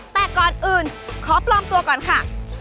แต่ก่อนอื่นขอปลอมตัวก่อนค่ะ